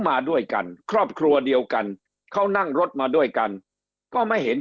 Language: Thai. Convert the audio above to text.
มาด้วยกันครอบครัวเดียวกันเขานั่งรถมาด้วยกันก็ไม่เห็น